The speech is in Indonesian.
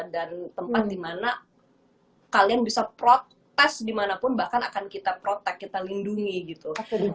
dan tempat dimana kalian bisa protes dimanapun bahkan akan kita protect kita lindungi gitu